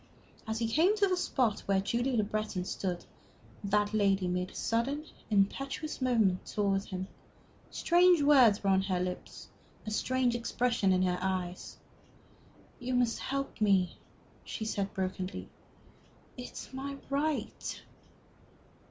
As he came to the spot where Julie Le Breton stood, that lady made a sudden, impetuous movement towards him. Strange words were on her lips, a strange expression in her eyes. "You must help me," she said, brokenly. "It is my right!"